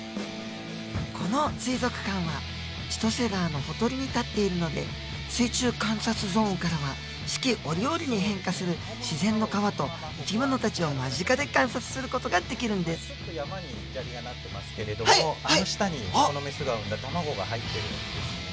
この水族館は千歳川のほとりに建っているので水中観察ゾーンからは四季折々に変化する自然の川と生き物たちを間近で観察する事ができるんですあの下にメスが産んだ卵が入ってるんです。